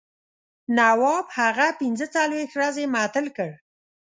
نواب هغه پنځه څلوېښت ورځې معطل کړ.